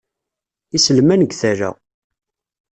Iselman deg tala.